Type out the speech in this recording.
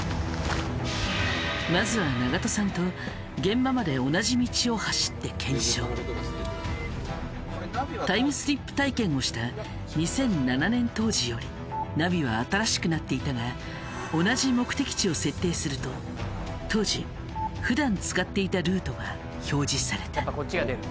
まずは長門さんとタイムスリップ体験をした２００７年当時よりナビは新しくなっていたが同じ目的地を設定すると当時ふだん使っていたルートが表示された。